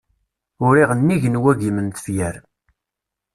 Uriɣ nnig n wagim n tefyar.